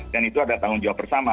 dan itu ada tanggung jawab bersama